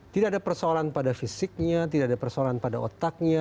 tidak ada persoalan pada fisiknya tidak ada persoalan pada otaknya